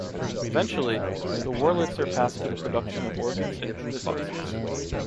Eventually, the Wurlitzer passed to the production of organs and jukeboxes.